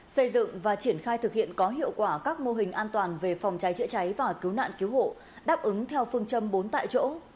xây dựng và triển khai thực hiện có hiệu quả các mô hình an toàn về phòng cháy chữa cháy và cứu nạn cứu hộ đáp ứng theo phương châm bốn tại chỗ